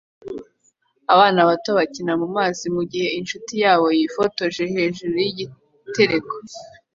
Abana bato bakina mumazi mugihe inshuti yabo yifotoje hejuru yigitereko